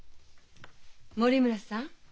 森村さん。